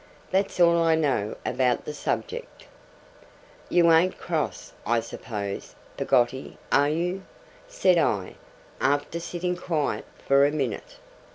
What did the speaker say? That's all I know about the subject.' 'You an't cross, I suppose, Peggotty, are you?' said I, after sitting quiet for a minute.